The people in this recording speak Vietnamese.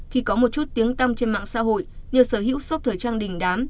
khi có một chút tiếng tăm trên mạng xã hội như sở hữu shop thời trang đình đám